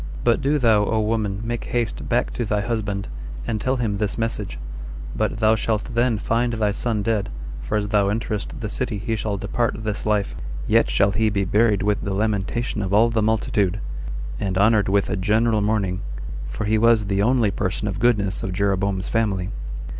But do thou, O woman, make haste back to thy husband, and tell him this message; but thou shalt then find thy son dead, for as thou enterest the city he shall depart this life; yet shall he be buried with the lamentation of all the multitude, and honored with a general mourning, for he was the only person of goodness of Jeroboam's family."